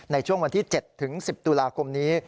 ในช่วงวันที่๗๑๐ตุลาคมนี้